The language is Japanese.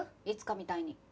いつかみたいに。